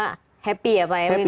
semua happy ya pak ya